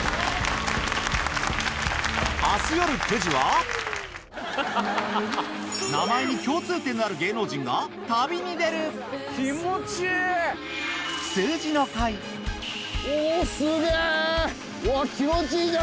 明日夜９時は名前に共通点のある芸能人が旅に出る気持ちいい